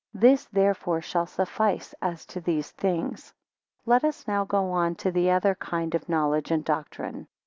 This therefore shall suffice as to these things. 3 Let us now go on to the other kind of knowledge and doctrine.